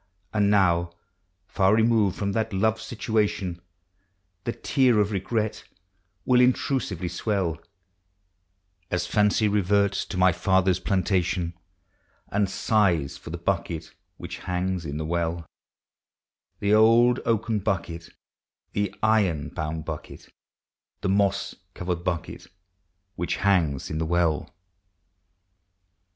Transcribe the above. And now, far removed from the loved situation, The tear of regret will intrusively swell, As fancy reverts to my father's plantation, And sighs for the bucket which hangs in the well ; The old oaken bucket, the iron bound bucket, The moss covered bucket which hangs in the well.